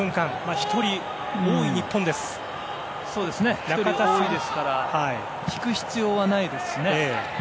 １人多いですから引く必要はないですね。